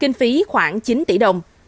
kinh phí khoảng chín tỷ đồng